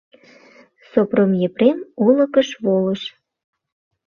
Сопром Епрем олыкыш волыш.